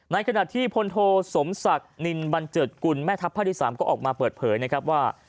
ในขณะที่พลโทสมศักดิ์นินบันเจิดกุลแม่ทัพภาคที่๓ก็ออกมาเปิดเผยนะครับว่า